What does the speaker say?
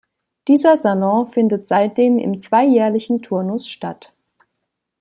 Dieser Salon findet seitdem im zweijährlichen Turnus statt.